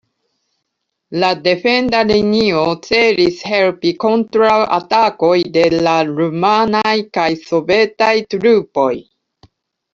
La defenda linio celis helpi kontraŭ atakoj de la rumanaj kaj sovetaj trupoj.